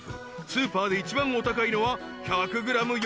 スーパーで一番お高いのは１００ｇ４，０００円］